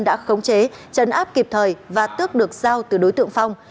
đã khống chế trấn áp kịp thời và tước được dao từ đối tượng phong